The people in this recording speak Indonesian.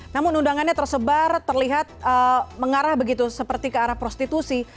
namun undangannya tersebar terlihat mengarah begitu seperti ke arah prostitusi